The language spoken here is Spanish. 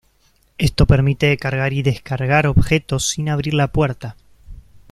Esto permite cargar y descargar objetos sin abrir la puerta.